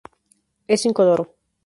Es incoloro.